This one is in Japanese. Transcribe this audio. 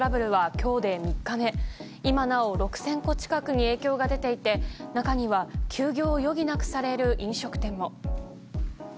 今なお、６０００戸近くに影響が出ていて、中には休業を余儀なくされる飲食店も。